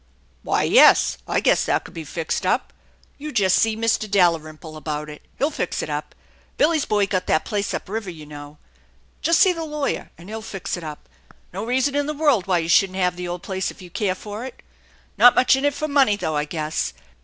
" Why, yes, I guess that could be fixed up. You just see Mr. Dalrymple about it. He'll fix it up. Billy's boy got that place up river, you know. Just see the lawyer, and he'll fix it up. No reason in the world why you shouldn't have the old place if you care for it. Not much in it for money, though, I guess.